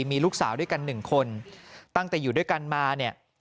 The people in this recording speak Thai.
มีลูกสาวด้วยกันหนึ่งคนตั้งแต่อยู่ด้วยกันมาเนี่ย